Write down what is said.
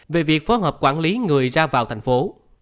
về việc phối hợp quản lý người ra vào thành phố